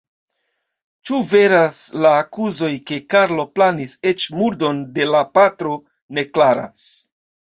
Ĉu veras la akuzoj ke Karlo planis eĉ murdon de la patro, ne klaras.